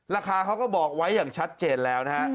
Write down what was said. ราคาเขาก็บอกไว้อย่างชัดเจนแล้วนะฮะ